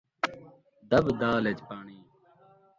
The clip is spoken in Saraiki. دٻ دال ءِچ پاݨی